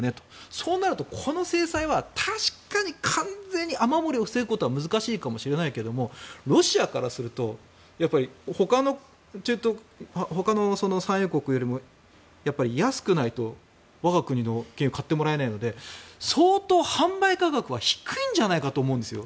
そうなると、この制裁は確かに完全に雨漏りを防ぐことは難しいかもしれないけどもロシアからすると他の産油国よりも安くないと我が国の原油を買ってもらえないので相当販売価格は低いんじゃないかと思うんですよ。